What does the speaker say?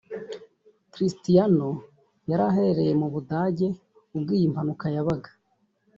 Cristiano yari aherereye mu Budage ubwo iyi mpanuka yabaga